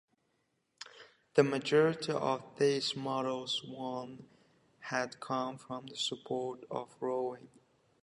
The majority of these medals won had come from the sport of rowing.